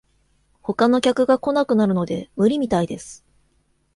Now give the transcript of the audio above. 他の客が来なくなるので無理みたいです